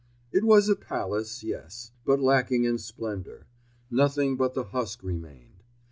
It was a palace, yes; but lacking in splendour. Nothing but the husk remained.